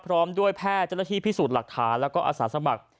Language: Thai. พร้อมด้วยแพทย์เจ้าหน้าที่พิสูจน์หลักฐานแล้วก็อาสาสมัคร